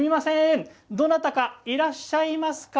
どなたか、いらっしゃいますか。